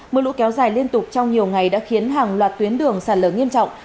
mưa lũ kéo dài liên tục trong nhiều ngày đã khiến hàng loạt tuyến đường sạt lở nghiêm trọng